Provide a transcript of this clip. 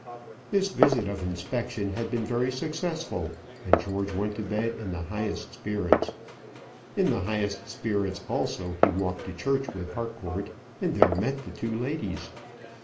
This visit of inspection had been very successful, and George went to bed in the highest spirits. In the highest spirits also he walked to church with Harcourt, and there met the two ladies.